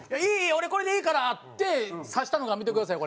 俺これでいいから」って差したのが見てください